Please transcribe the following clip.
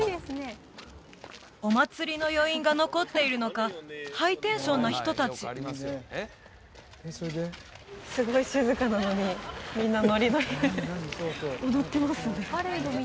お祭りの余韻が残っているのかハイテンションな人達すごい静かなのにみんなノリノリで踊ってますね